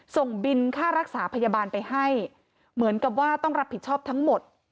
ส่งบินค่ารักษาพยาบาลไปให้เหมือนกับว่าต้องรับผิดชอบทั้งหมด